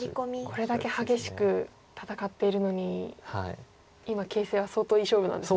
これだけ激しく戦っているのに今形勢は相当いい勝負なんですね。